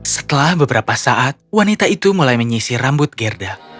setelah beberapa saat wanita itu mulai menyisi rambut gerda